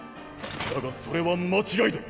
だがそれは間違いだ。